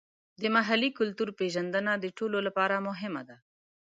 د محلي کلتور پیژندنه د ټولو لپاره مهمه ده.